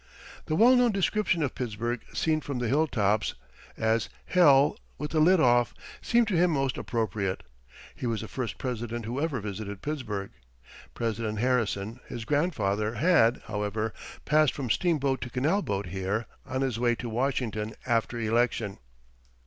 The well known description of Pittsburgh, seen from the hilltops, as "H l with the lid off," seemed to him most appropriate. He was the first President who ever visited Pittsburgh. President Harrison, his grandfather, had, however, passed from steamboat to canal boat there, on his way to Washington after election.